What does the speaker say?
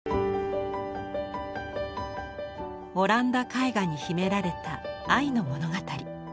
オランダ絵画に秘められた愛の物語。